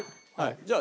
じゃあ。